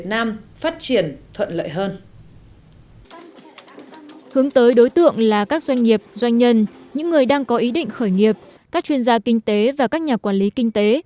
các người đang có ý định khởi nghiệp các chuyên gia kinh tế và các nhà quản lý kinh tế